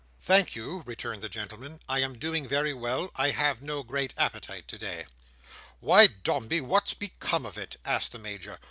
"Thank you," returned the gentleman, "I am doing very well; I have no great appetite today." "Why, Dombey, what's become of it?" asked the Major.